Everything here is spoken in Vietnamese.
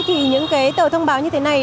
thì những cái tờ thông báo như thế này